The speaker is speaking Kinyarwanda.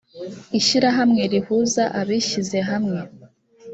ishyirahamwe rihuza abishyizehamwe.